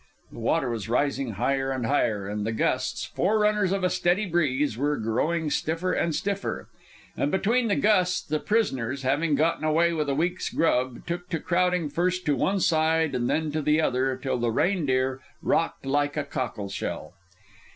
The water was rising higher and higher, and the gusts, forerunners of a steady breeze, were growing stiffer and stiffer. And between the gusts, the prisoners, having gotten away with a week's grub, took to crowding first to one side and then to the other till the Reindeer rocked like a cockle shell.